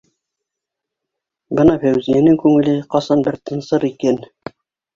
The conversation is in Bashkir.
Бына Фәүзиәнең күңеле ҡасан бер тынсыр икән?